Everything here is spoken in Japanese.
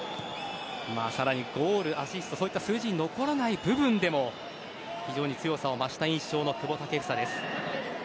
さらにゴール、アシスト数字に残らない部分でも非常に強さを増した印象の久保建英です。